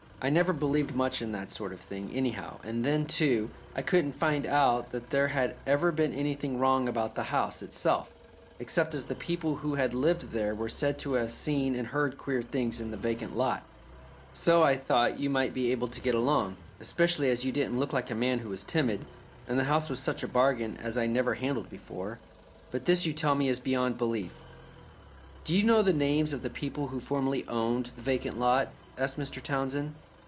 I never believed much in that sort of thing anyhow, and then, too, I couldn't find out that there had ever been anything wrong about the house itself, except as the people who had lived there were said to have seen and heard queer things in the vacant lot, so I thought you might be able to get along, especially as you didn't look like a man who was timid, and the house was such a bargain as I never handled before. But this you tell me is beyond belief." "Do you know the names of the people who formerly owned the vacant lot?" asked Mr. Townsend.